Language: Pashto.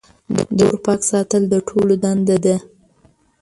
د کور پاک ساتل د ټولو دنده ده.